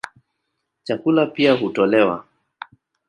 Chakula pia hutolewa.